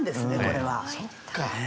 これは。